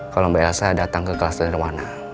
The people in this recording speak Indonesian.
kalau mbak elsa datang ke kelas darwana